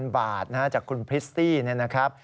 ๑๐๐๕๐๐๐บาทจากคุณพิสตี้นะครับ